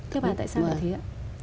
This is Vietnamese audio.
thế bà tại sao lại thế ạ